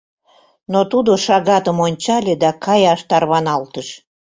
Но тудо шагатым ончале да каяш тарваналтыш.